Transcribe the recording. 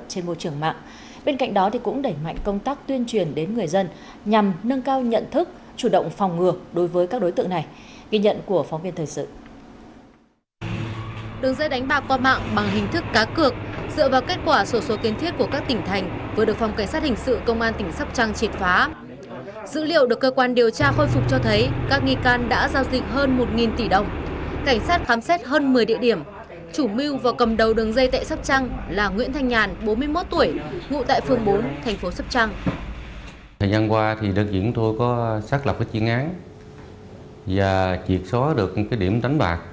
thời gian qua thì đối diện tôi có xác lập cái chuyên án và triệt xóa được cái điểm đánh bạc